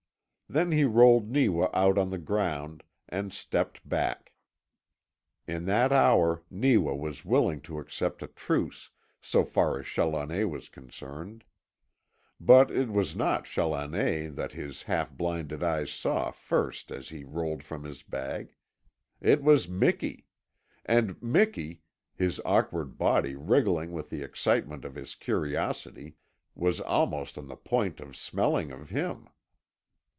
Then he rolled Neewa out on the ground, and stepped back. In that hour Neewa was willing to accept a truce so far as Challoner was concerned. But it was not Challoner that his half blinded eyes saw first as he rolled from his bag. It was Miki! And Miki, his awkward body wriggling with the excitement of his curiosity, was almost on the point of smelling of him!